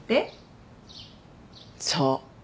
そう。